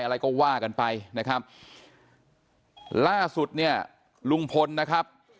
อะไรก็ว่ากันไปนะครับล่าสุดเนี่ยลุงพลนะครับ